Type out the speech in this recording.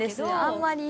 あんまり。